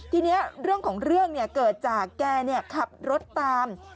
ทีนี้เรื่องของเรื่องเกิดจากแกขับรถตาม